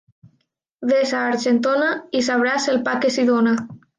Ves a Argentona i sabràs el pa que s'hi dóna.